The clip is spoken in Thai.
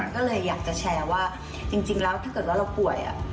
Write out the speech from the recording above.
ก็เลยอยากจะแชร์ว่าจริงแล้วถ้าเกิดว่าเราป่วย